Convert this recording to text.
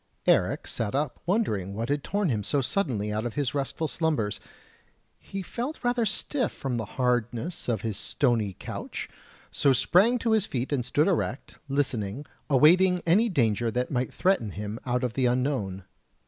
Eric sat up wondering what had torn him so suddenly out of his restful slumbers; he felt rather stiff from the hardness of his stony couch, so sprang to his feet and stood erect, listening, awaiting any danger that might threaten him out of the unknown.